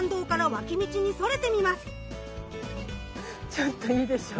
ちょっといいでしょう。